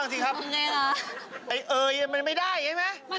อันนี้นะ